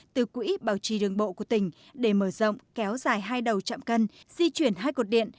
từ quỹ bảo trì đường bộ của tỉnh để mở rộng kéo dài hai đầu chạm cân di chuyển hai cột điện